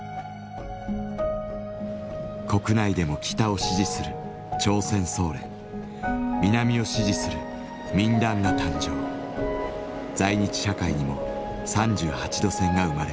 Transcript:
国内でも北を支持する「朝鮮総連」南を支持する「民団」が誕生在日社会にも３８度線が生まれます。